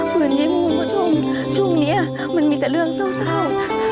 เหมือนยิ้มคุณผู้ชมช่วงนี้มันมีแต่เรื่องเศร้า